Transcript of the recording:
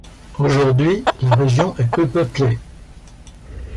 Aujourd'hui, la région est peu peuplée.